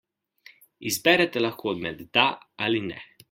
Izberete lahko med da ali ne.